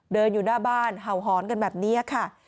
เดินอยู่หน้าบ้านเห่าหอนกันแบบนี้ค่ะ